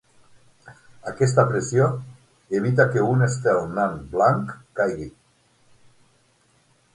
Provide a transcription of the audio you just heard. Aquesta pressió evita que un estel nan blanc caigui.